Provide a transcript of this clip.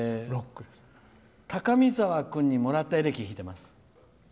高見沢君にもらったエレキを弾いています。